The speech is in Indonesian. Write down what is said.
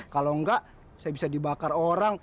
kalau enggak saya bisa dibakar orang